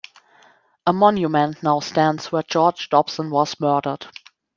A monument now stands where George Dobson was murdered.